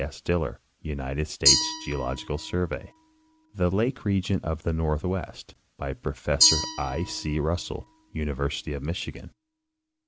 S. Diller, United States Geological Survey; The lake region of the northwest, by Professor I. C. Russell, University of Michigan.